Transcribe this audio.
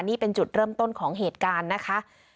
นี่เป็นจุดเริ่มต้นของเหตุการณ์นะคะ